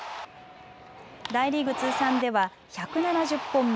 大リーグ通算では１７０本目。